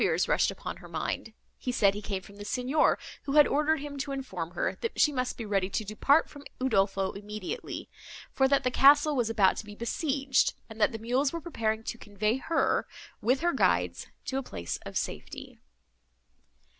New fears rushed upon her mind. He said he came from the Signor, who had ordered him to inform her, that she must be ready to depart from Udolpho immediately, for that the castle was about to be besieged; and that mules were preparing to convey her, with her guides, to a place of safety.